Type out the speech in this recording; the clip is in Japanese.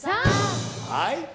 はい。